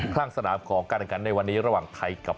ครับขอบคุณครับ